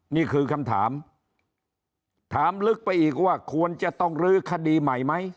นี่คือคำถามถามลึกไปอีกว่าควรจะต้องลื้อคดีใหม่ไหม